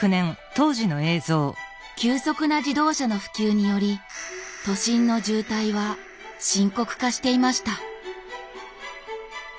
急速な自動車の普及により都心の渋滞は深刻化していました。